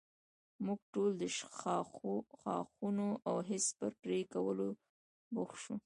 موږ ټول د ښاخونو او خس پر پرې کولو بوخت شو.